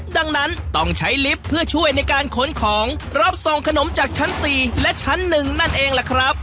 ดังนั้นต้องใช้ลิฟต์เพื่อช่วยในการขนของรับส่งขนมจากชั้น๔และชั้น๑นั่นเองล่ะครับ